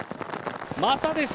またです。